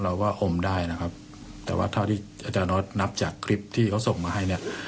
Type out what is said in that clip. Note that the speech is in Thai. ว่าอมได้นะครับแต่ว่าเท่าที่อาจารย์นอสนับจากคลิปที่เขาส่งมาให้เนี่ย